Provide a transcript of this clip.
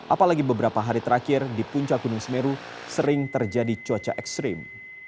apalagi beberapa hari terakhir di puncak gunung semeru sering terjadi cuaca ekstrim